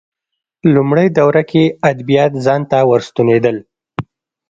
لومړۍ دوره کې ادبیات ځان ته ورستنېدل